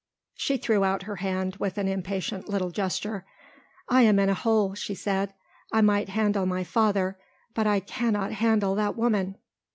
She threw out her hand with an impatient little gesture. "I am in a hole," she said. "I might handle my father but I cannot handle that woman."